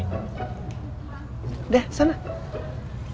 nanti gua kasih tau ke mama deh